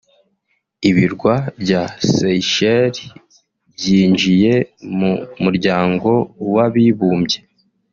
Ibirwa bya Seychelles byinjiye mu muryango w’abibumbye